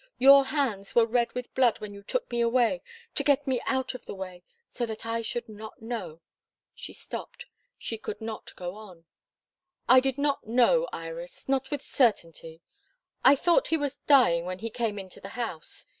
Your hands were red with blood when you took me away to get me out of the way so that I should not know " She stopped, she could not go on. "I did not know, Iris not with certainty. I thought he was dying when he came into the house.